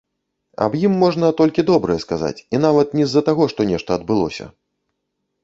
Аб ім можна толькі добрае сказаць, і нават не з-за таго, што нешта адбылося.